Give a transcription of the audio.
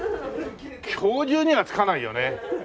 今日中には着かないよね。